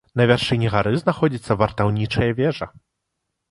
На вяршыні гары знаходзіцца вартаўнічая вежа.